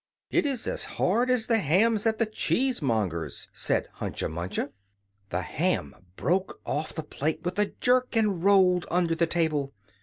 "It's as hard as the hams at the cheesemonger's," said Hunca Munca. The ham broke off the plate with a jerk, and rolled under the table.